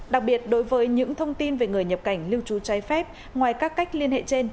đặc biệt đối với những thông tin về người nhập cảnh lưu trú trái phép ngoài các cách liên hệ trên